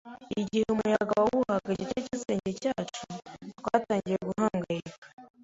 Igihe umuyaga wahuhaga igice cy'igisenge cyacu, twatangiye guhangayika.